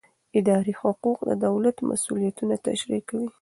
اداري حقوق د دولت مسوولیتونه تشریح کوي.